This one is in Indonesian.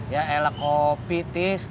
ya elak kopi tis